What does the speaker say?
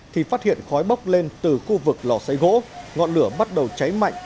thì phát hiện khói bốc lên từ khu vực lò xấy gỗ ngọn lửa bắt đầu cháy mạnh